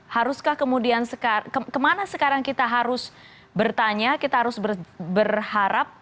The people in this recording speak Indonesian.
haruskah kemudian kemana sekarang kita harus bertanya kita harus berharap